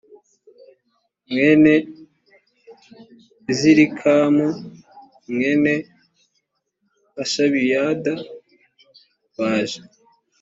mwene azirikamu mwene hashabiyad baje